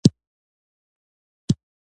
د شیخانانو پېشنهادونه منظور دي.